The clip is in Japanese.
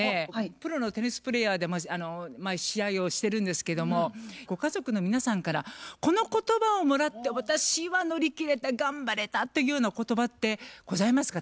プロのテニスプレーヤーで試合をしてるんですけどもご家族の皆さんからこの言葉をもらって私は乗り切れた頑張れたっていうような言葉ってございますか？